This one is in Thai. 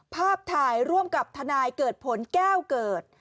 ภาพถ่ายร่วมกับทนายเกิดผลแก้วเกิด